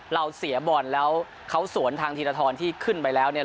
เราเสียบอลแล้วเขาสวนทางธีรทรที่ขึ้นไปแล้วเนี่ย